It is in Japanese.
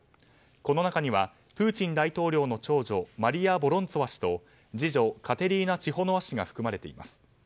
この中にはプーチン大統領の長女マリヤ・ボロンツォワ氏と次女、カテリーナ・チホノワ氏が含まれています。